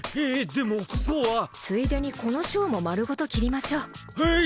でもここはついでにこの章も丸ごと切りましょうえっ！？